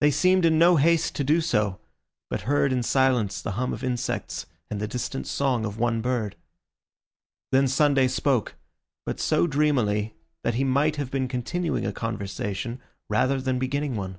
They seemed in no haste to do so, but heard in silence the hum of insects and the distant song of one bird. Then Sunday spoke, but so dreamily that he might have been continuing a conversation rather than beginning one.